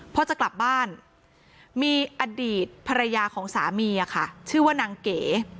พอจะกลับบ้านมีอดีตภรรยาของสามีค่ะชื่อว่านางเก๋